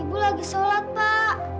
ibu lagi sholat pak